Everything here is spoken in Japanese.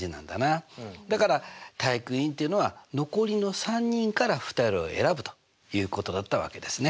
だから体育委員っていうのは残りの３人から２人を選ぶということだったわけですね。